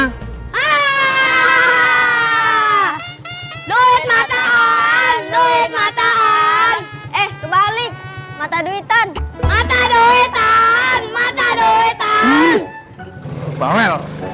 ah ah duit mataon duit mataon eh kebalik mata duitan mata duitan mata duitan banget